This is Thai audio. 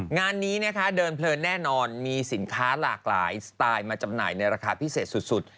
งานนี้นะคะเดินเพลินแน่นอนมีสินค้าหลากหลายสไตล์มาจำหน่ายในราคาพิเศษสุด